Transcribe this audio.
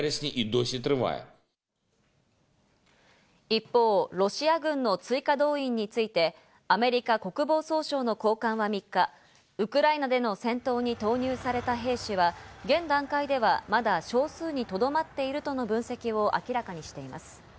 一方、ロシア軍の追加動員についてアメリカ国防総省の高官は３日、ウクライナでの戦闘に投入された兵士は現段階ではまだ少数にとどまっているとの分析を明らかにしています。